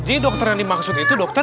jadi dokter yang dimaksud itu dokter